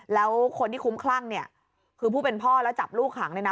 แล้วคนที่คุ้มคลั่งเนี่ยคือผู้เป็นพ่อแล้วจับลูกขังเลยนะ